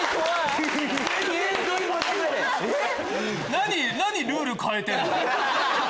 何ルール変えてんだよ！